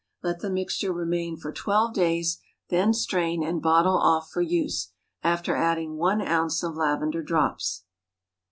Let the mixture remain for twelve days, then strain, and bottle off for use, after adding one ounce of lavender drops.